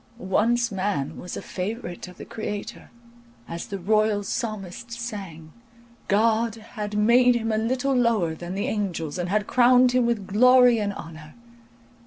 Once man was a favourite of the Creator, as the royal psalmist sang, "God had made him a little lower than the angels, and had crowned him with glory and honour.